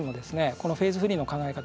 このフェーズフリーの考え方